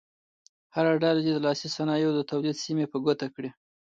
هره ډله دې د لاسي صنایعو د تولید سیمې په ګوته کړي.